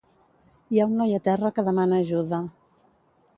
Hi ha un noi a terra que demana ajuda